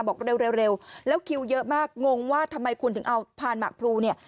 บอกเร็วแล้วคิวเยอะมากงงว่าทำไมคุณถึงเอาพานหมากพลูเนี่ย